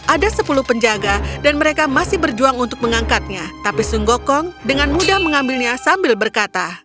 ada sepuluh penjaga dan mereka masih berjuang untuk mengangkatnya tapi sung gokong dengan mudah mengambilnya sambil berkata